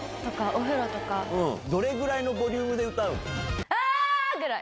どれぐらいのボリュームで歌あぁー！ぐらい。